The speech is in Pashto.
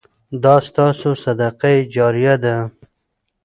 دا ستاسو صدقه جاریه ده.